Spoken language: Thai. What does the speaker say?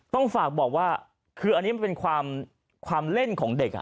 ต้องฝากบอกว่าคืออันนี้มันเป็นความเล่นของเด็ก